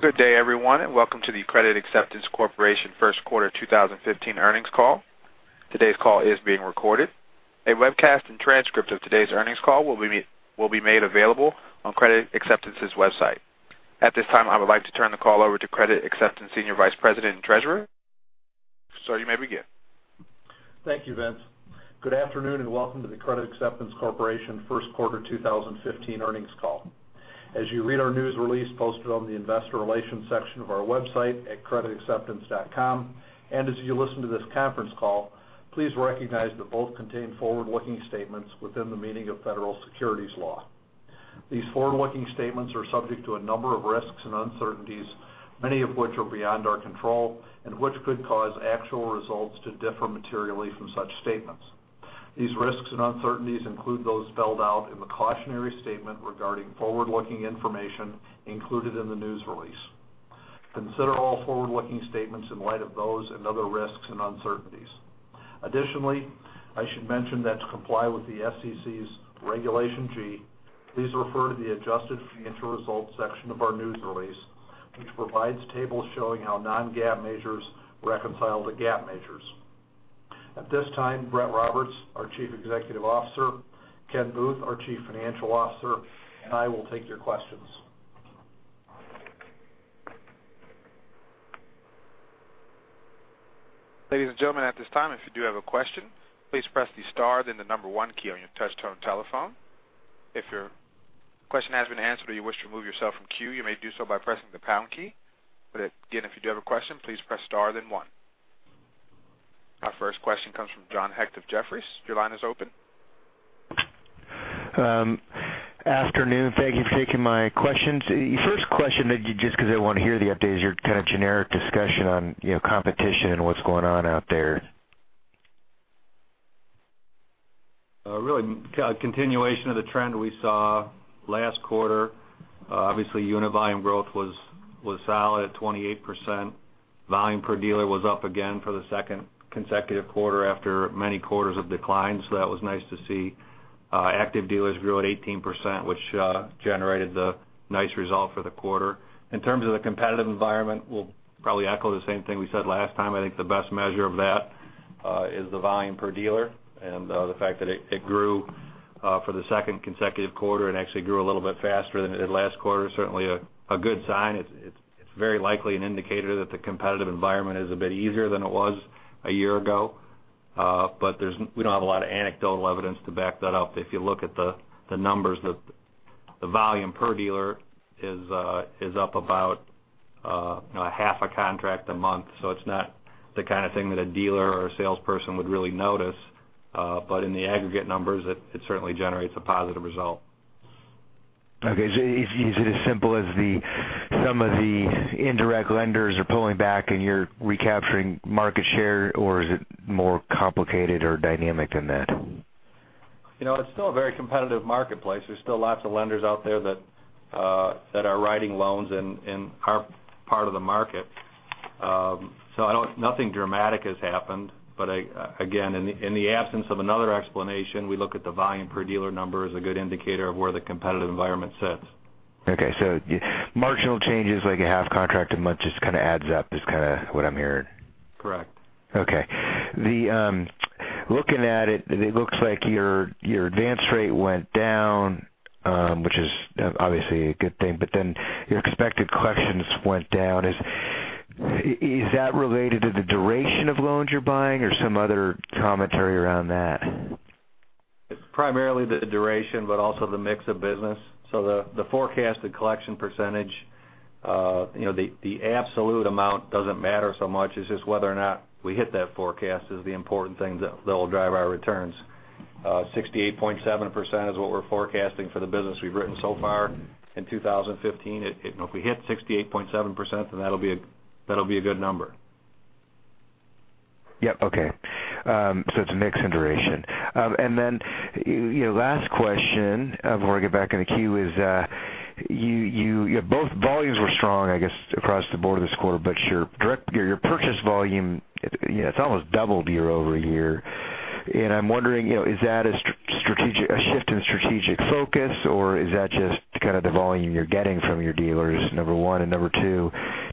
Good day, everyone, welcome to the Credit Acceptance Corporation First Quarter 2015 earnings call. Today's call is being recorded. A webcast and transcript of today's earnings call will be made available on Credit Acceptance's website. At this time, I would like to turn the call over to Credit Acceptance Senior Vice President and Treasurer. Sir, you may begin. Thank you, Vince. Good afternoon, welcome to the Credit Acceptance Corporation First Quarter 2015 earnings call. As you read our news release posted on the investor relations section of our website at creditacceptance.com, and as you listen to this conference call, please recognize that both contain forward-looking statements within the meaning of federal securities law. These forward-looking statements are subject to a number of risks and uncertainties, many of which are beyond our control, and which could cause actual results to differ materially from such statements. These risks and uncertainties include those spelled out in the cautionary statement regarding forward-looking information included in the news release. Consider all forward-looking statements in light of those and other risks and uncertainties. Additionally, I should mention that to comply with the SEC's Regulation G, please refer to the adjusted financial results section of our news release, which provides tables showing how non-GAAP measures reconcile to GAAP measures. At this time, Brett Roberts, our Chief Executive Officer, Ken Booth, our Chief Financial Officer, and I will take your questions. Ladies and gentlemen, at this time, if you do have a question, please press the star then the number 1 key on your touch-tone telephone. If your question has been answered or you wish to remove yourself from queue, you may do so by pressing the pound key. Again, if you do have a question, please press star then 1. Our first question comes from John Hecht of Jefferies. Your line is open. Afternoon. Thank you for taking my questions. First question, just because I want to hear the updates, your kind of generic discussion on competition and what's going on out there. Really a continuation of the trend we saw last quarter. Obviously, unit volume growth was solid at 28%. Volume per dealer was up again for the second consecutive quarter after many quarters of decline. That was nice to see. Active dealers grew at 18%, which generated the nice result for the quarter. In terms of the competitive environment, we'll probably echo the same thing we said last time. I think the best measure of that is the volume per dealer and the fact that it grew for the second consecutive quarter and actually grew a little bit faster than it did last quarter is certainly a good sign. It's very likely an indicator that the competitive environment is a bit easier than it was a year ago. We don't have a lot of anecdotal evidence to back that up. If you look at the numbers, the volume per dealer is up about half a contract a month. It's not the kind of thing that a dealer or a salesperson would really notice. In the aggregate numbers, it certainly generates a positive result. Okay. Is it as simple as some of the indirect lenders are pulling back and you're recapturing market share, or is it more complicated or dynamic than that? It's still a very competitive marketplace. There's still lots of lenders out there that are writing loans in our part of the market. Nothing dramatic has happened. Again, in the absence of another explanation, we look at the volume per dealer number as a good indicator of where the competitive environment sits. Okay. Marginal changes like a half contract a month just kind of adds up is kind of what I'm hearing. Correct. Okay. Looking at it looks like your advance rate went down, which is obviously a good thing, but then your expected collections went down. Is that related to the duration of loans you're buying or some other commentary around that? It's primarily the duration, but also the mix of business. The forecasted collection percentage, the absolute amount doesn't matter so much. It's just whether or not we hit that forecast is the important thing that'll drive our returns. 68.7% is what we're forecasting for the business we've written so far in 2015. If we hit 68.7%, that'll be a good number. Yep. Okay. It's a mix in duration. Last question before I get back in the queue is, both volumes were strong, I guess, across the board this quarter. Your Purchase volume, it's almost doubled year-over-year. I'm wondering, is that a shift in strategic focus, or is that just kind of the volume you're getting from your dealers, number one? Number two,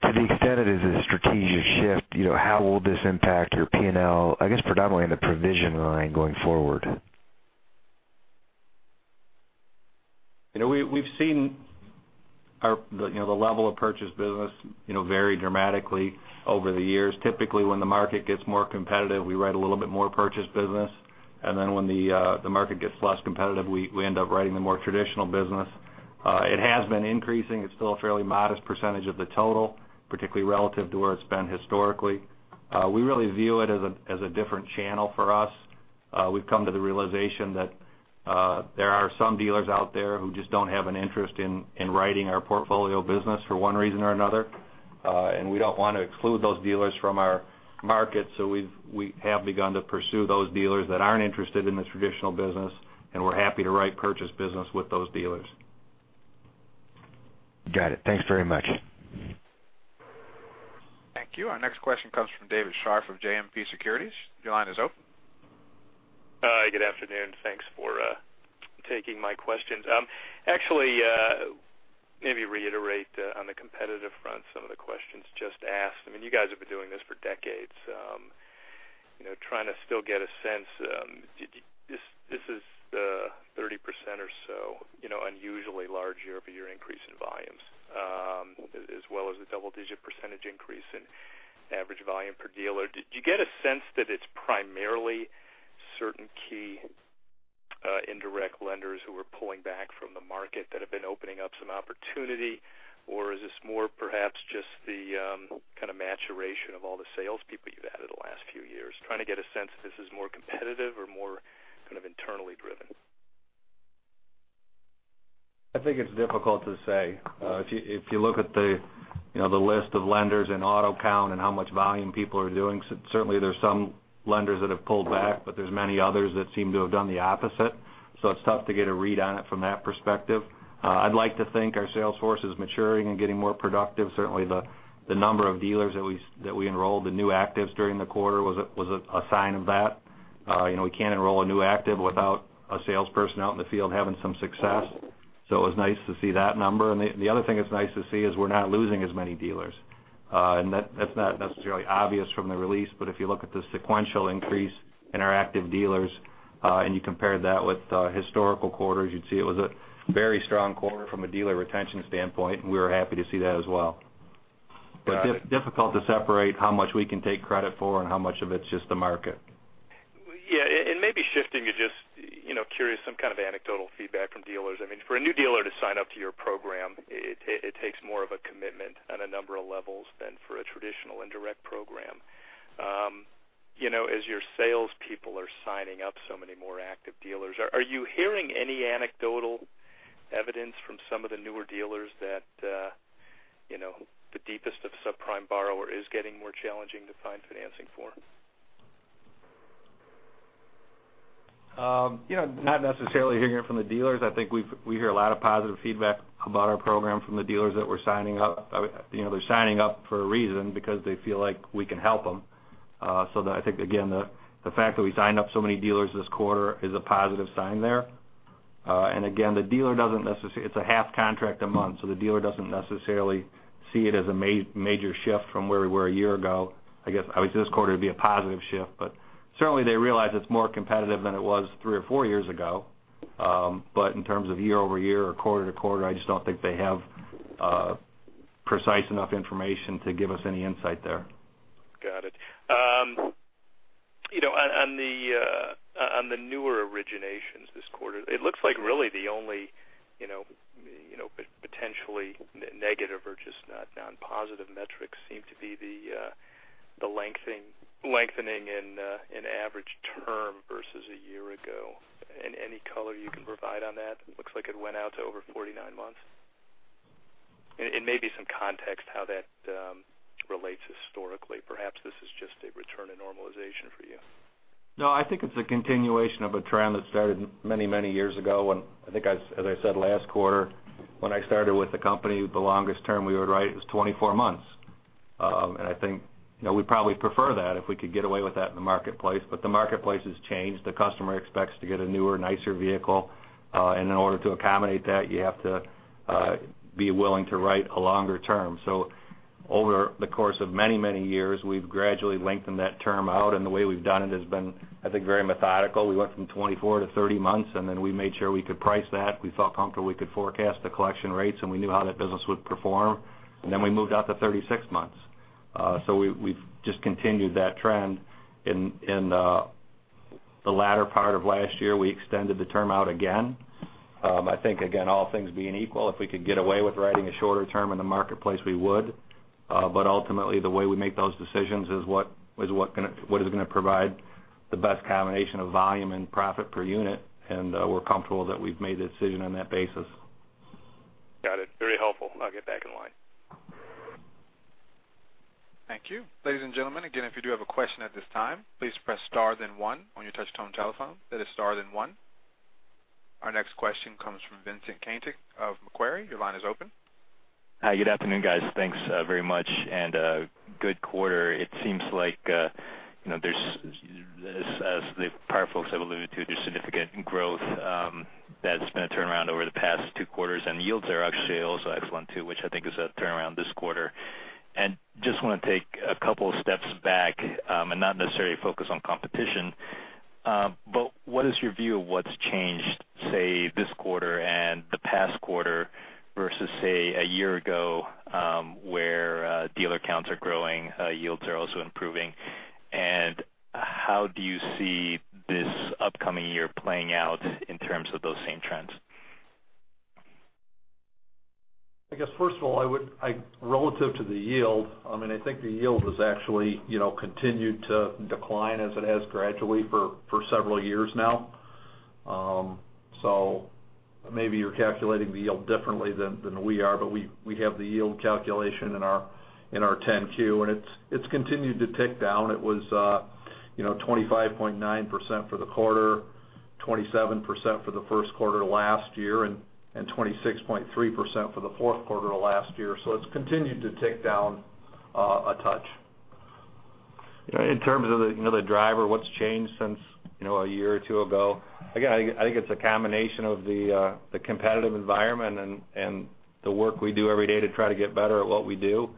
to the extent it is a strategic shift, how will this impact your P&L, I guess predominantly in the provision line going forward? We've seen the level of Purchase business vary dramatically over the years. Typically, when the market gets more competitive, we write a little bit more Purchase business. When the market gets less competitive, we end up writing the more traditional business. It has been increasing. It's still a fairly modest percentage of the total, particularly relative to where it's been historically. We really view it as a different channel for us. We've come to the realization that there are some dealers out there who just don't have an interest in writing our Portfolio business for one reason or another. We don't want to exclude those dealers from our market. We have begun to pursue those dealers that aren't interested in the traditional business, and we're happy to write Purchase business with those dealers. Got it. Thanks very much. Thank you. Our next question comes from David Scharf of JMP Securities. Your line is open. Hi, good afternoon. Thanks for taking my questions. Actually, maybe reiterate on the competitive front some of the questions just asked. You guys have been doing this for decades. Trying to still get a sense. This is the 30% or so unusually large year-over-year increase in volumes, as well as the double-digit % increase in average volume per dealer. Do you get a sense that it's primarily certain key indirect lenders who are pulling back from the market that have been opening up some opportunity, or is this more perhaps just the kind of maturation of all the salespeople you've added the last few years? Trying to get a sense if this is more competitive or more kind of internally driven. I think it's difficult to say. If you look at the list of lenders and AutoCount and how much volume people are doing, certainly there's some lenders that have pulled back, but there's many others that seem to have done the opposite. It's tough to get a read on it from that perspective. I'd like to think our sales force is maturing and getting more productive. Certainly, the number of dealers that we enrolled, the new actives during the quarter was a sign of that. We can't enroll a new active without a salesperson out in the field having some success. It was nice to see that number. The other thing that's nice to see is we're not losing as many dealers. That's not necessarily obvious from the release, but if you look at the sequential increase in our active dealers, and you compare that with historical quarters, you'd see it was a very strong quarter from a dealer retention standpoint, and we were happy to see that as well. Got it. Difficult to separate how much we can take credit for and how much of it's just the market. Yeah. Maybe shifting to just curious, some kind of anecdotal feedback from dealers. For a new dealer to sign up to your program, it takes more of a commitment on a number of levels than for a traditional indirect program. As your salespeople are signing up so many more active dealers, are you hearing any anecdotal evidence from some of the newer dealers that the deepest of subprime borrower is getting more challenging to find financing for? Not necessarily hearing it from the dealers. I think we hear a lot of positive feedback about our program from the dealers that we're signing up. They're signing up for a reason, because they feel like we can help them. I think, again, the fact that we signed up so many dealers this quarter is a positive sign there. Again, it's a half contract a month, so the dealer doesn't necessarily see it as a major shift from where we were a year ago. I guess, obviously, this quarter, it'd be a positive shift, but certainly, they realize it's more competitive than it was three or four years ago. In terms of year-over-year or quarter-to-quarter, I just don't think they have precise enough information to give us any insight there. Got it. On the newer originations this quarter, it looks like really the only potentially negative or just non-positive metrics seem to be the lengthening in average term versus a year ago. Any color you can provide on that? Looks like it went out to over 49 months. Maybe some context how that relates historically. Perhaps this is just a return to normalization for you. No, I think it's a continuation of a trend that started many years ago. I think as I said last quarter, when I started with the company, the longest term we would write was 24 months. I think we'd probably prefer that if we could get away with that in the marketplace. The marketplace has changed. The customer expects to get a newer, nicer vehicle. In order to accommodate that, you have to be willing to write a longer term. Over the course of many years, we've gradually lengthened that term out, and the way we've done it has been, I think, very methodical. We went from 24 to 30 months, then we made sure we could price that. We felt comfortable we could forecast the collection rates, and we knew how that business would perform. Then we moved out to 36 months. We've just continued that trend. In the latter part of last year, we extended the term out again. I think, again, all things being equal, if we could get away with writing a shorter term in the marketplace, we would. Ultimately, the way we make those decisions is what is going to provide the best combination of volume and profit per unit, and we're comfortable that we've made the decision on that basis. Got it. Very helpful. I'll get back in line. Thank you. Ladies and gentlemen, again, if you do have a question at this time, please press star then one on your touch-tone telephone. That is star then one. Our next question comes from Vincent Caintic of Macquarie. Your line is open. Hi, good afternoon, guys. Thanks very much, and good quarter. It seems like as the power folks have alluded to, there's significant growth that's been a turnaround over the past 2 quarters, and yields are actually also excellent too, which I think is a turnaround this quarter. Just want to take 2 steps back, and not necessarily focus on competition. What is your view of what's changed, say, this quarter and the past quarter versus, say, a year ago, where dealer counts are growing, yields are also improving? How do you see this upcoming year playing out in terms of those same trends? I guess, first of all, relative to the yield, I think the yield has actually continued to decline as it has gradually for several years now. Maybe you're calculating the yield differently than we are, but we have the yield calculation in our 10-Q, and it's continued to tick down. It was 25.9% for the quarter 27% for the first quarter last year and 26.3% for the fourth quarter last year. It's continued to tick down a touch. In terms of the driver, what's changed since a year or two ago, again, I think it's a combination of the competitive environment and the work we do every day to try to get better at what we do.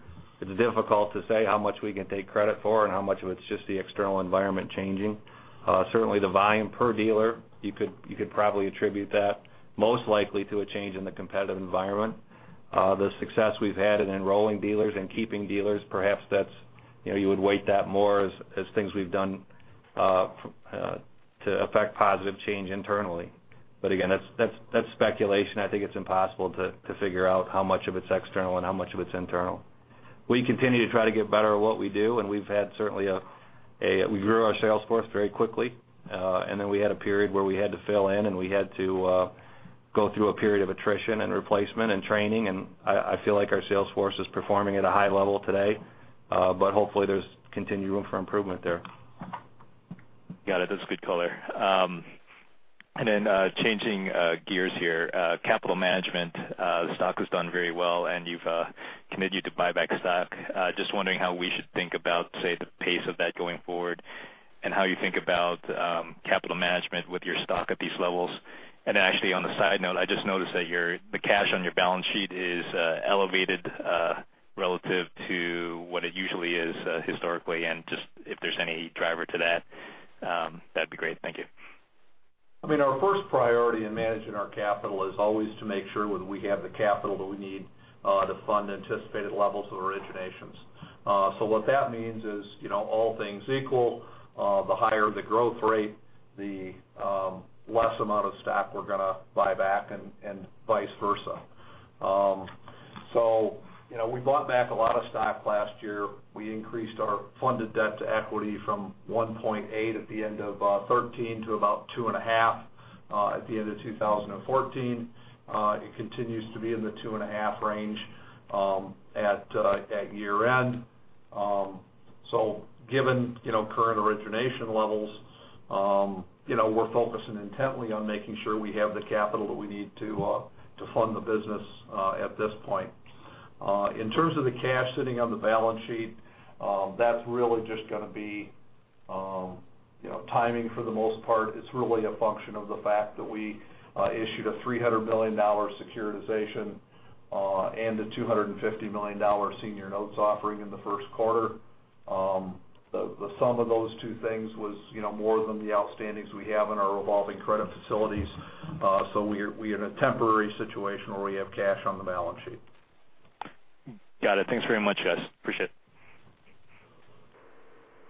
It's difficult to say how much we can take credit for and how much of it's just the external environment changing. Certainly, the volume per dealer, you could probably attribute that most likely to a change in the competitive environment. The success we've had in enrolling dealers and keeping dealers, perhaps you would weight that more as things we've done to affect positive change internally. Again, that's speculation. I think it's impossible to figure out how much of it's external and how much of it's internal. We continue to try to get better at what we do. We grew our sales force very quickly. We had a period where we had to fill in, we had to go through a period of attrition and replacement and training, I feel like our sales force is performing at a high level today. Hopefully, there's continued room for improvement there. Got it. That's good color. Changing gears here, capital management. The stock has done very well, and you've committed to buyback stock. Just wondering how we should think about, say, the pace of that going forward and how you think about capital management with your stock at these levels. Actually, on a side note, I just noticed that the cash on your balance sheet is elevated relative to what it usually is historically and just if there's any driver to that'd be great. Thank you. I mean, our first priority in managing our capital is always to make sure whether we have the capital that we need to fund anticipated levels of originations. What that means is, all things equal, the higher the growth rate, the less amount of stock we're going to buy back and vice versa. We bought back a lot of stock last year. We increased our funded debt-to-equity from 1.8 at the end of 2013 to about 2.5 at the end of 2014. It continues to be in the 2.5 range at year-end. Given current origination levels, we're focusing intently on making sure we have the capital that we need to fund the business at this point. In terms of the cash sitting on the balance sheet, that's really just going to be timing for the most part. It's really a function of the fact that we issued a $300 million securitization and a $250 million senior notes offering in the first quarter. The sum of those two things was more than the outstandings we have in our revolving credit facilities. We're in a temporary situation where we have cash on the balance sheet. Got it. Thanks very much, guys. Appreciate it.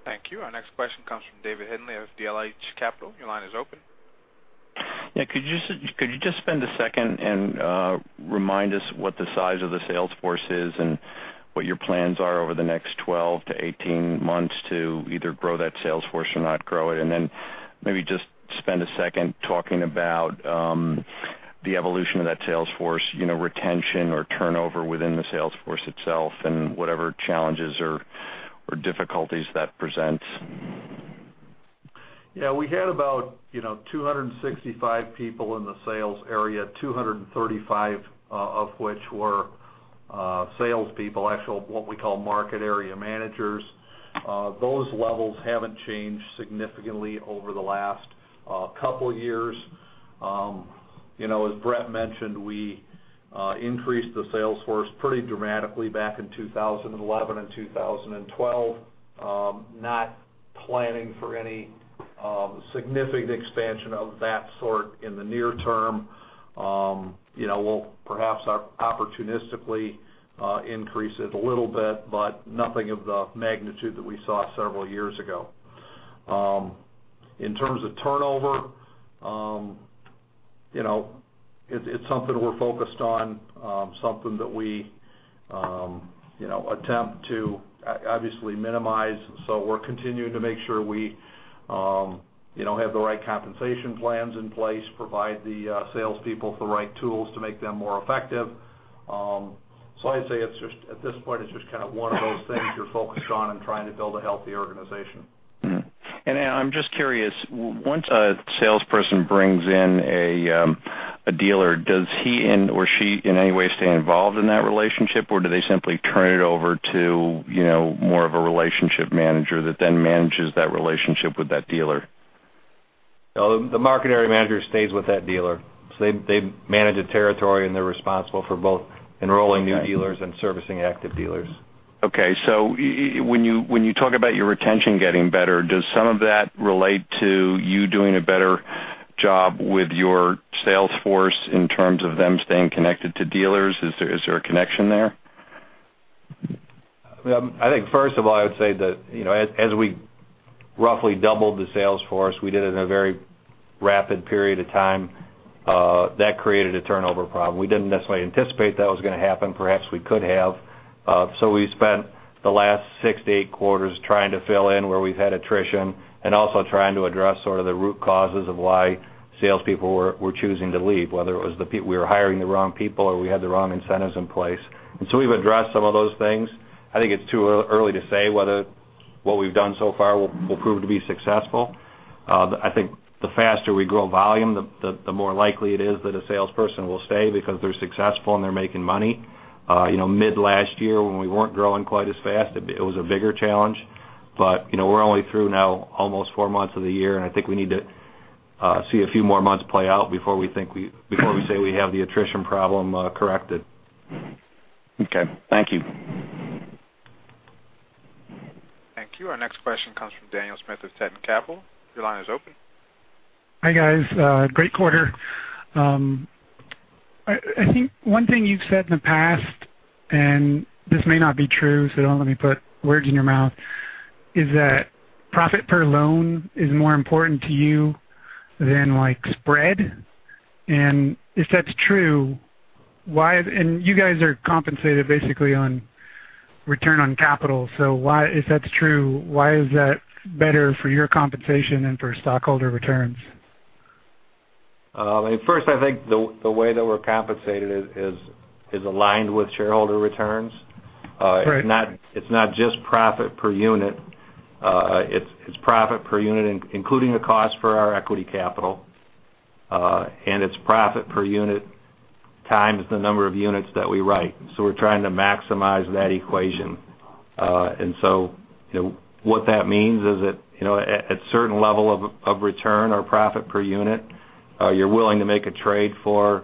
Thank you. Our next question comes from David Henle of DLH Capital. Your line is open. Yeah, could you just spend a second and remind us what the size of the sales force is and what your plans are over the next 12 to 18 months to either grow that sales force or not grow it? Maybe just spend a second talking about the evolution of that sales force, retention or turnover within the sales force itself, and whatever challenges or difficulties that presents. Yeah, we had about 265 people in the sales area, 235 of which were salespeople, actual, what we call Market Area Managers. Those levels haven't changed significantly over the last couple of years. As Brett mentioned, we increased the sales force pretty dramatically back in 2011 and 2012. Not planning for any significant expansion of that sort in the near term. We'll perhaps opportunistically increase it a little bit, but nothing of the magnitude that we saw several years ago. In terms of turnover, it's something we're focused on, something that we attempt to obviously minimize. We're continuing to make sure we have the right compensation plans in place, provide the salespeople with the right tools to make them more effective. I'd say at this point, it's just kind of one of those things you're focused on and trying to build a healthy organization. Mm-hmm. I'm just curious, once a salesperson brings in a dealer, does he or she in any way stay involved in that relationship, or do they simply turn it over to more of a relationship manager that then manages that relationship with that dealer? The Market Area Manager stays with that dealer. They manage a territory, and they're responsible for both enrolling new dealers and servicing active dealers. Okay. When you talk about your retention getting better, does some of that relate to you doing a better job with your sales force in terms of them staying connected to dealers? Is there a connection there? I think, first of all, I would say that as we roughly doubled the sales force, we did it in a very rapid period of time. That created a turnover problem. We didn't necessarily anticipate that was going to happen. Perhaps we could have. We spent the last six to eight quarters trying to fill in where we've had attrition and also trying to address sort of the root causes of why salespeople were choosing to leave, whether we were hiring the wrong people or we had the wrong incentives in place. We've addressed some of those things. I think it's too early to say whether what we've done so far will prove to be successful. I think the faster we grow volume, the more likely it is that a salesperson will stay because they're successful and they're making money. Mid last year, when we weren't growing quite as fast, it was a bigger challenge. We're only through now almost four months of the year, and I think we need to see a few more months play out before we say we have the attrition problem corrected. Okay. Thank you. Thank you. Our next question comes from Daniel Smith of [Teddon Capital]. Your line is open. Hi, guys. Great quarter. I think one thing you've said in the past, and this may not be true, so don't let me put words in your mouth, is that profit per loan is more important to you than spread. If that's true, and you guys are compensated basically on return on capital, so if that's true, why is that better for your compensation than for stockholder returns? First, I think the way that we're compensated is aligned with shareholder returns. Right. It's not just profit per unit. It's profit per unit, including the cost for our equity capital. It's profit per unit times the number of units that we write. We're trying to maximize that equation. What that means is that at certain level of return or profit per unit, you're willing to make a trade for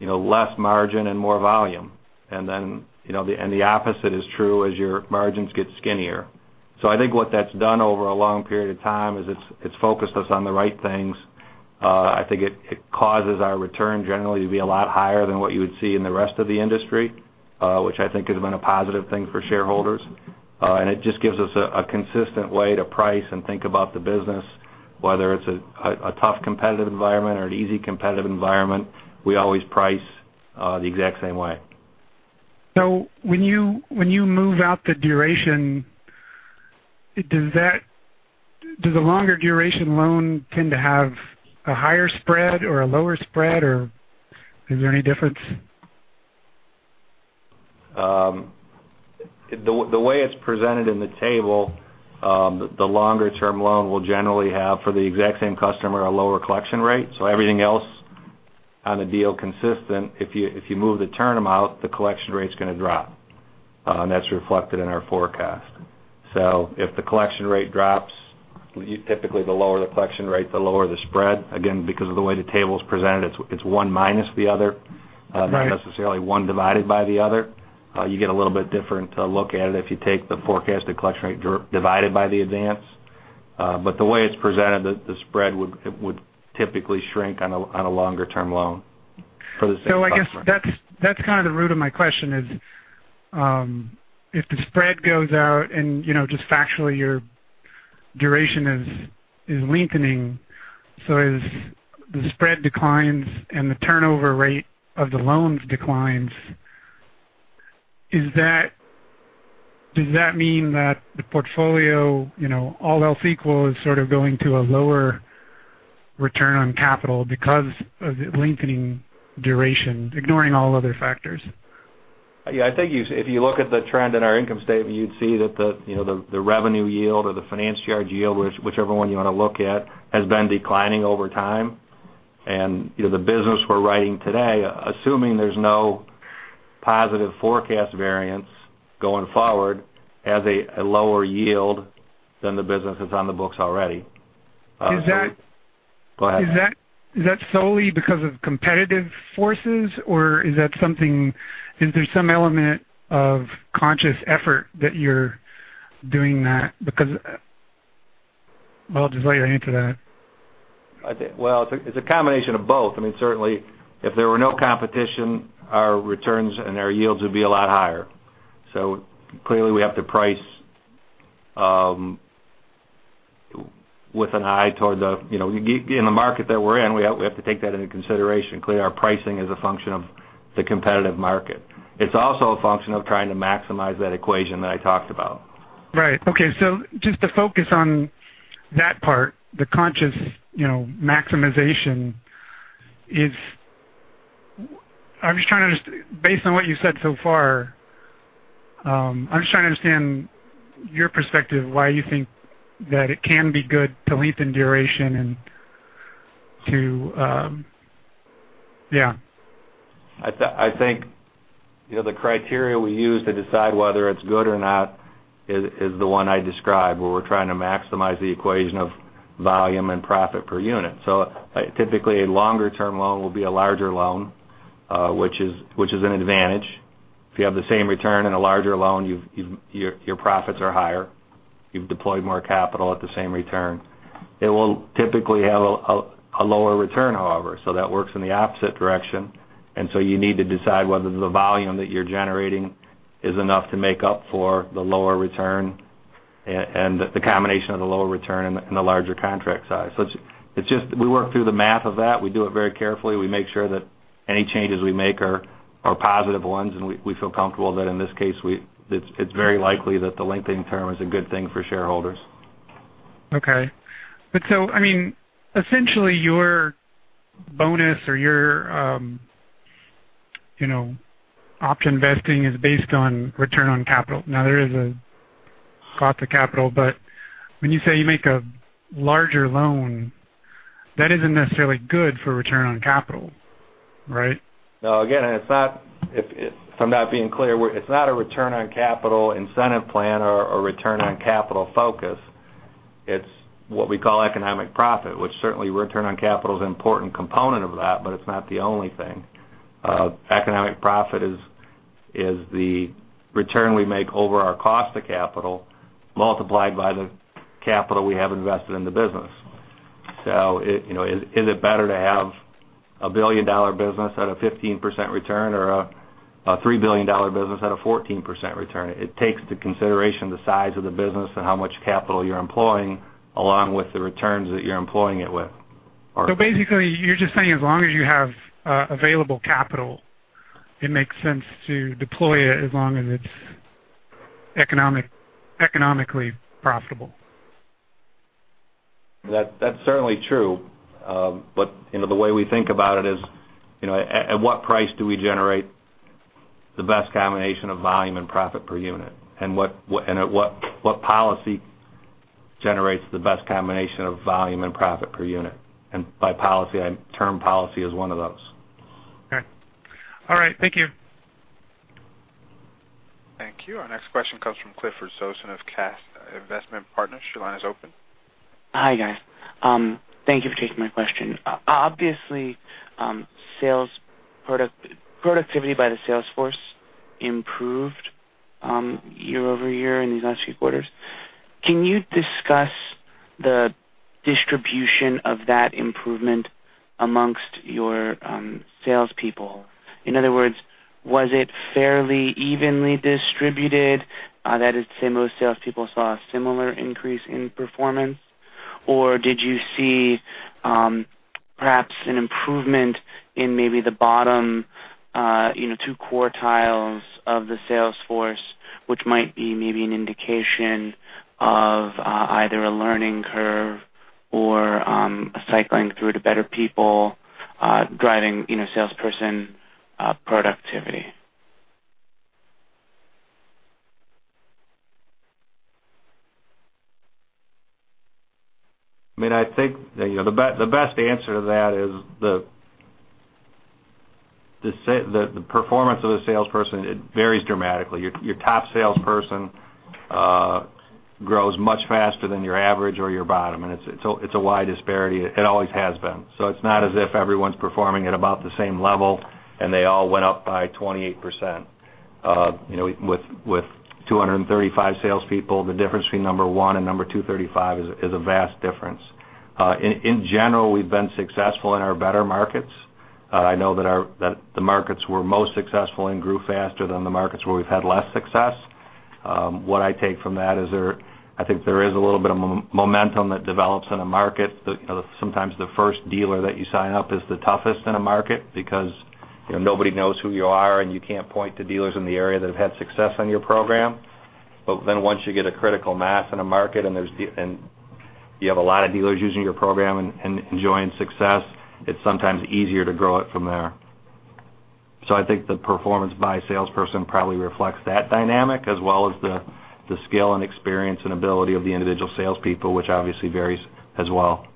less margin and more volume. The opposite is true as your margins get skinnier. I think what that's done over a long period of time is it's focused us on the right things. I think it causes our return generally to be a lot higher than what you would see in the rest of the industry, which I think has been a positive thing for shareholders. It just gives us a consistent way to price and think about the business, whether it's a tough competitive environment or an easy competitive environment, we always price the exact same way. When you move out the duration, does the longer duration loan tend to have a higher spread or a lower spread, or is there any difference? The way it's presented in the table, the longer term loan will generally have, for the exact same customer, a lower collection rate. Everything else on the deal consistent, if you move the term out, the collection rate's going to drop, and that's reflected in our forecast. If the collection rate drops, typically the lower the collection rate, the lower the spread. Again, because of the way the table's presented, it's one minus the other. Right Not necessarily one divided by the other. You get a little bit different look at it if you take the forecasted collection rate divided by the advance. The way it's presented, the spread would typically shrink on a longer-term loan for the same customer. I guess that's kind of the root of my question is, if the spread goes out and just factually your duration is lengthening. As the spread declines and the turnover rate of the loans declines, does that mean that the portfolio, all else equal, is sort of going to a lower return on capital because of the lengthening duration, ignoring all other factors? Yeah, I think if you look at the trend in our income statement, you'd see that the revenue yield or the finance charge yield, whichever one you want to look at, has been declining over time. The business we're writing today, assuming there's no positive forecast variance going forward, has a lower yield than the business that's on the books already. Is that- Go ahead. Is that solely because of competitive forces, or is there some element of conscious effort that you're doing that? Because, Well, I'll just let you answer that. Well, it's a combination of both. I mean, certainly, if there were no competition, our returns and our yields would be a lot higher. Clearly, we have to price with an eye. In the market that we're in, we have to take that into consideration. Clearly, our pricing is a function of the competitive market. It's also a function of trying to maximize that equation that I talked about. Right. Okay, just to focus on that part, the conscious maximization is based on what you said so far. I'm just trying to understand your perspective, why you think that it can be good to lengthen duration and to. I think the criteria we use to decide whether it's good or not is the one I described, where we're trying to maximize the equation of volume and profit per unit. Typically, a longer-term loan will be a larger loan, which is an advantage. If you have the same return and a larger loan, your profits are higher. You've deployed more capital at the same return. It will typically have a lower return, however. That works in the opposite direction. You need to decide whether the volume that you're generating is enough to make up for the lower return and the combination of the lower return and the larger contract size. We work through the math of that. We do it very carefully. We make sure that any changes we make are positive ones, and we feel comfortable that in this case, it's very likely that the lengthening term is a good thing for shareholders. Okay. Essentially, your bonus or your Option vesting is based on return on capital. Now, there is a cost to capital, but when you say you make a larger loan, that isn't necessarily good for return on capital, right? No, again, if I'm not being clear, it's not a return on capital incentive plan or return on capital focus. It's what we call economic profit, which certainly return on capital is an important component of that, but it's not the only thing. economic profit is the return we make over our cost of capital multiplied by the capital we have invested in the business. Is it better to have a $1 billion business at a 15% return or a $3 billion business at a 14% return? It takes into consideration the size of the business and how much capital you're employing, along with the returns that you're employing it with. Basically, you're just saying as long as you have available capital, it makes sense to deploy it as long as it's economically profitable. That's certainly true. The way we think about it is, at what price do we generate the best combination of volume and profit per unit? What policy generates the best combination of volume and profit per unit? By policy, the term policy is one of those. Okay. All right. Thank you. Thank you. Our next question comes from Clifford Sosin of CAS Investment Partners. Your line is open. Hi, guys. Thank you for taking my question. Obviously, productivity by the sales force improved year-over-year in these last few quarters. Can you discuss the distribution of that improvement amongst your salespeople? In other words, was it fairly evenly distributed? That is to say, most salespeople saw a similar increase in performance? Did you see perhaps an improvement in maybe the bottom two quartiles of the sales force, which might be maybe an indication of either a learning curve or a cycling through to better people, driving salesperson productivity? I think the best answer to that is the performance of a salesperson varies dramatically. Your top salesperson grows much faster than your average or your bottom. It's a wide disparity. It always has been. It's not as if everyone's performing at about the same level and they all went up by 28%. With 235 salespeople, the difference between number 1 and number 235 is a vast difference. In general, we've been successful in our better markets. I know that the markets we're most successful in grew faster than the markets where we've had less success. What I take from that is, I think there is a little bit of momentum that develops in a market. Sometimes the first dealer that you sign up is the toughest in a market because nobody knows who you are, and you can't point to dealers in the area that have had success on your program. Once you get a critical mass in a market, and you have a lot of dealers using your program and enjoying success, it's sometimes easier to grow it from there. I think the performance by a salesperson probably reflects that dynamic, as well as the skill and experience and ability of the individual salespeople, which obviously varies as well.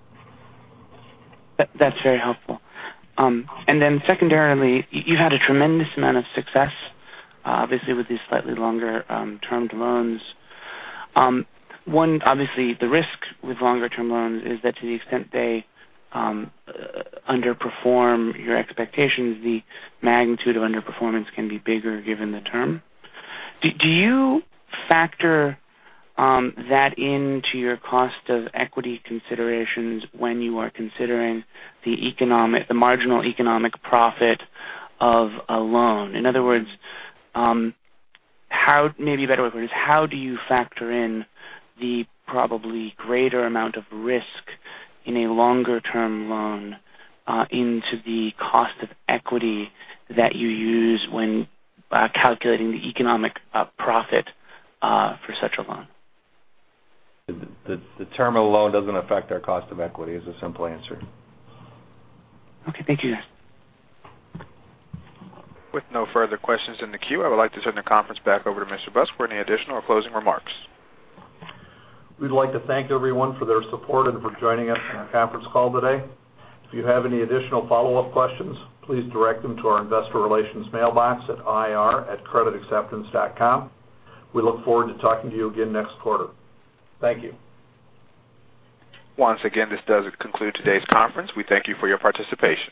That's very helpful. Secondarily, you had a tremendous amount of success, obviously, with these slightly longer-term loans. Obviously, the risk with longer-term loans is that to the extent they underperform your expectations, the magnitude of underperformance can be bigger given the term. Do you factor that into your cost of equity considerations when you are considering the marginal economic profit of a loan? In other words, maybe a better way to put it is how do you factor in the probably greater amount of risk in a longer-term loan into the cost of equity that you use when calculating the economic profit for such a loan? The term of the loan doesn't affect our cost of equity, is the simple answer. Okay. Thank you. With no further questions in the queue, I would like to turn the conference back over to Mr. Busk for any additional or closing remarks. We'd like to thank everyone for their support and for joining us on our conference call today. If you have any additional follow-up questions, please direct them to our investor relations mailbox at ir@creditacceptance.com. We look forward to talking to you again next quarter. Thank you. Once again, this does conclude today's conference. We thank you for your participation.